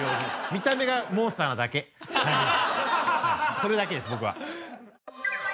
それだけです僕は。